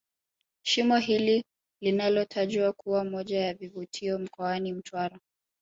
Shimo hili linalotajwa kuwa moja ya vivutio mkoani Mtwara